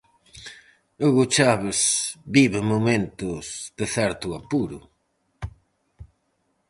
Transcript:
Hugo Chávez vive momentos de certo apuro.